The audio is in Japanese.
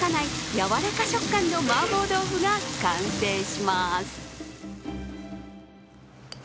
やわらか食感の麻婆豆腐が完成します。